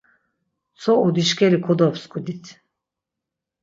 Tzo udişǩeli kodopsǩudit.